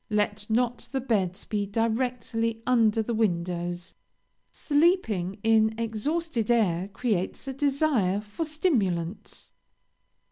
Let not the beds be directly under the windows. Sleeping in exhausted air creates a desire for stimulants.